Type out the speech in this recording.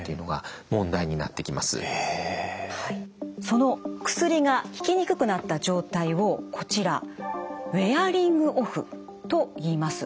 その薬が効きにくくなった状態をこちらウェアリングオフといいます。